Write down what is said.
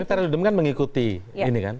tapi tarah dudum kan mengikuti ini kan